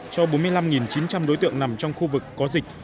cho bốn mươi năm chín trăm linh đối tượng nằm trong khu vực có dịch